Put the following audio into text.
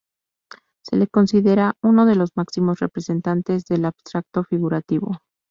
Se le considera uno de los máximos representantes del Abstracto Figurativo.